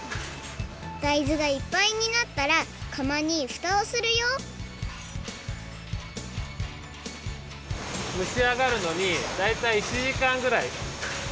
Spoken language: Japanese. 大豆がいっぱいになったらかまにふたをするよむしあがるのにだいたい１じかんぐらいかかります。